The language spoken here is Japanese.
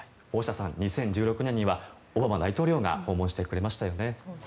大下さん、２０１６年にはオバマ大統領が訪問してくれましたよね。